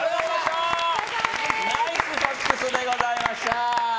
ナイスフォックスでございました。